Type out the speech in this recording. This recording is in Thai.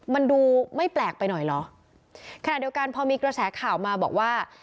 มันดูไม่แปลกไปหน่อยเหรอขณะเดียวกันพอมีกระแสข่าวมาบอกว่า